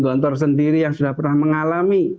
gontor sendiri yang sudah pernah mengalami